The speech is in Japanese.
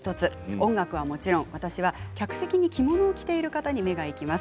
音楽はもちろん、私は客席で着物を着ている方に目がいきます。